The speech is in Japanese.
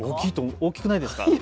大きくないですか。